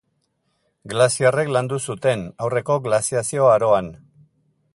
Glaziarrek landu zuten, aurreko glaziazio aroan.